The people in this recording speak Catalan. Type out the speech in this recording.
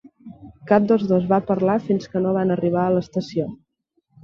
Cap dels dos va parlar fins que no van arribar a l'estació.